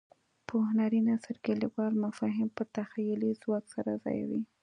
په هنري نثر کې لیکوال مفاهیم په تخیلي ځواک سره ځایوي.